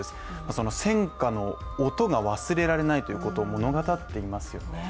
その戦火の音が忘れられないということ物語っています